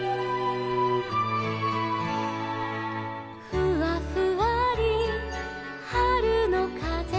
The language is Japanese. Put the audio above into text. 「ふわふわりはるのかぜ」